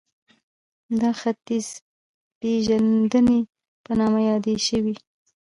دا ختیځپېژندنې په نامه یادې شوې